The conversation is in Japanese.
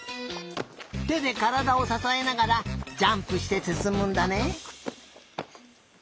てでからだをささえながらジャンプしてすすむんだね！